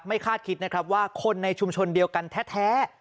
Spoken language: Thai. คาดคิดนะครับว่าคนในชุมชนเดียวกันแท้